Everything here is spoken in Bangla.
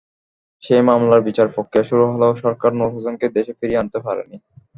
সেই মামলার বিচার-প্রক্রিয়া শুরু হলেও সরকার নূর হোসেনকে দেশে ফিরিয়ে আনতে পারেনি।